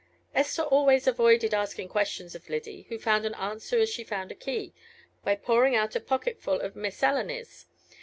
Esther always avoided asking questions of Lyddy, who found an answer as she found a key, by pouring out a pocketful of miscellanies.